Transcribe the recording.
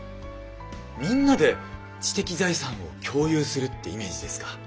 みんなで知的財産を共有するってイメージですか。